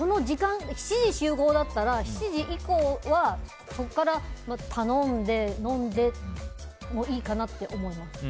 ７時集合だったら７時以降は頼んでも飲んでもいいかなって思います。